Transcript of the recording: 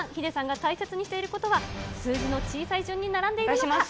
ヒデさんが大切にしていることは、数字の小さい順に並んでいるのか。